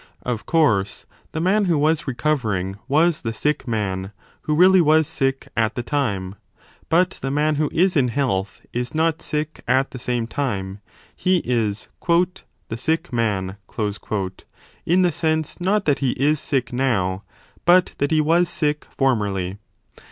Of course, the man who was recovering was 5 the sick man, who really was sick at the time : but the man who is in health is not sick at the same time : he is the sick man in the sense not that he is sick now, but that he was sick formerly.